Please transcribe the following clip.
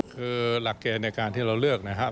คือหลักเกณฑ์ในการที่เราเลือกนะครับ